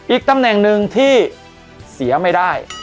อีกตำแหน่งหนึ่งที่เสียไม่ได้